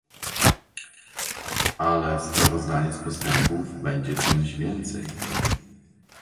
Ale sprawozdanie z postępów będzie czymś więcej